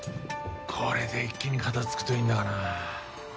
これで一気に片付くといいんだがなぁ。